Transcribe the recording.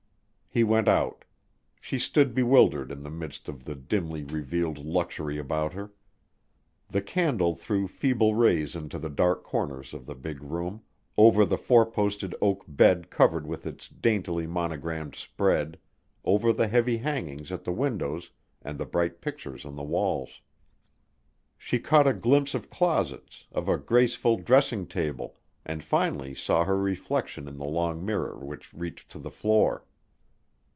He went out. She stood bewildered in the midst of the dimly revealed luxury about her. The candle threw feeble rays into the dark corners of the big room, over the four posted oak bed covered with its daintily monogrammed spread, over the heavy hangings at the windows, and the bright pictures on the walls. She caught a glimpse of closets, of a graceful dressing table, and finally saw her reflection in the long mirror which reached to the floor.